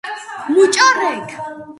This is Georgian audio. მუჭო რექ?